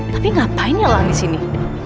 tapi ngapainnya lah di sini